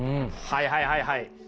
はいはいはいはい。